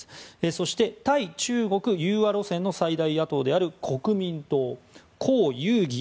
そして、対中国融和路線の最大野党である国民党コウ・ユウギ